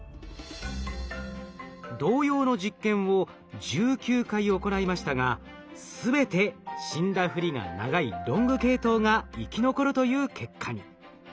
同様の実験を１９回行いましたが全て死んだふりが長いロング系統が生き残るという結果に。